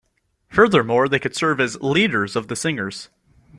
Furthermore, they could serve as "leaders" of the Singers.